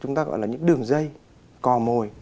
chúng ta gọi là những đường dây cò mồi